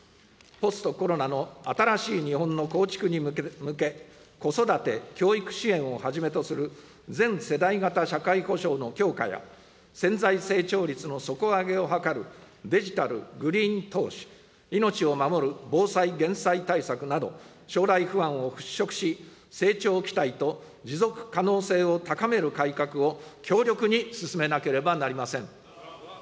ポストコロナの新しい日本の構築に向け、子育て・教育支援をはじめとする全世代型社会保障の強化や、潜在成長率の底上げを図るデジタル・グリーン投資、命を守る防災・減災対策など、将来不安を払拭し、成長期待と持続可能性を高める改革を強力に進めなければなりません。